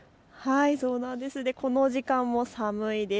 この時間も寒いです。